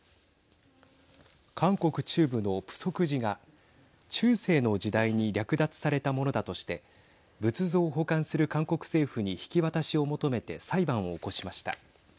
韓国中部のプソク寺が中世の時代に略奪されたものだとして仏像を保管する韓国政府に引き渡しを求めて裁判を起こしました。